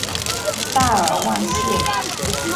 塞尔旺谢。